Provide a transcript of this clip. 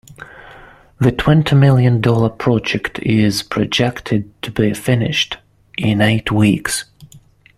The twenty million dollar project is projected to be finished in eight weeks.